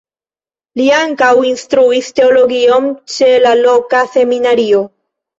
Li ankaŭ instruis teologion ĉe la loka seminario.